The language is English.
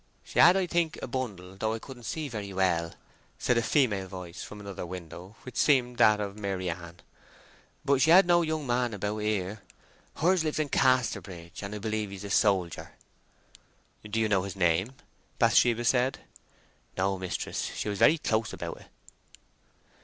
"She had, I think, a bundle, though I couldn't see very well," said a female voice from another window, which seemed that of Maryann. "But she had no young man about here. Hers lives in Casterbridge, and I believe he's a soldier." "Do you know his name?" Bathsheba said. "No, mistress; she was very close about it."